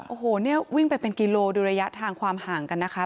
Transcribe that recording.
โอ้โหเนี่ยวิ่งไปเป็นกิโลดูระยะทางความห่างกันนะคะ